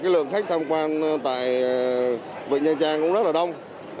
lượng khách tham quan tại vịnh nha trang cũng rất là đông